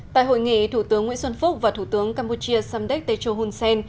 tại hội nghị thủ tướng nguyễn xuân phúc và thủ tướng campuchia samdek techo hun sen